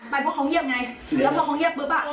ไปพวกเขาเยี่ยมไงแล้วพวกเขาเยี่ยมปุ๊บอ่ะ